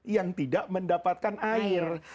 yang tidak mendapatkan air